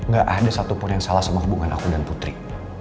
gak ada satupun yang salah sama hubungan aku dan putri